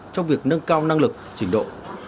trong việc nâng cao năng lực trình độ